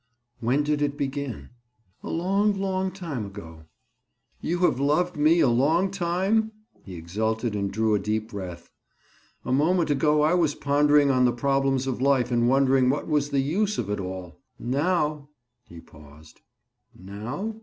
"When did it begin?" "A long, long time ago." "You have loved me a long time?" he exulted and drew a deep breath. "A moment ago I was pondering on the problems of life and wondering what was the use of it all? Now—" He paused. "Now?"